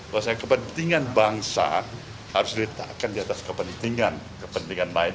bahwasanya kepentingan bangsa harus ditetapkan di atas kepentingan kepentingan lain